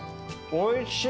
おいしい。